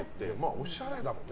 おしゃれだもんね。